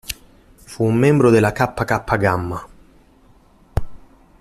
Fu un membro della Kappa Kappa Gamma.